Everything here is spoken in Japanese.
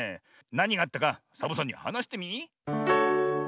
なにがあったかサボさんにはなしてみ。